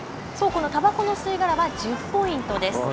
このたばこの吸い殻は１０ポイントです。